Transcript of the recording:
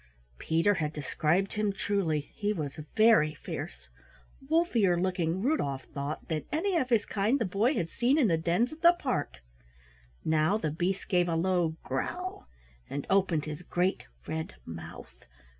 Peter had described him truly, he was very fierce, wolfier looking, Rudolf thought, than any of his kind the boy had seen in the dens at the park. Now the beast gave a low growl and opened his great red mouth.